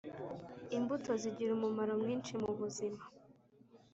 Imbuto zigira umumaro mwinshi mu buzima